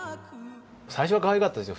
最初はかわいかったですよ